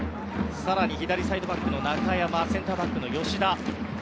更に左サイドバックの中山センターバックの吉田。